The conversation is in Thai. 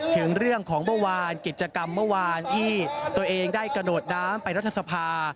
ถึงเรื่องของเมื่อวานกิจกรรมเมื่อวานที่ตัวเองได้กระโดดน้ำไปรัฐสภา